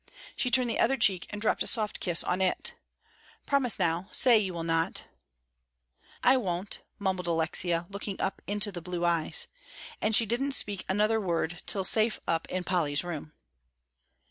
She turned the other cheek, and dropped a soft kiss on it. "Promise now, say you will not." "I won't," mumbled Alexia, looking up into the blue eyes, and she didn't speak another word till safe up in Polly's room.